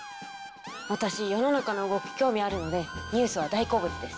私世の中の動き興味あるのでニュースは大好物です。